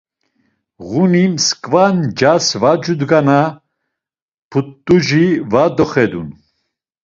Ğuni msǩva ncas va cudgana p̌ut̆uci va doxedun.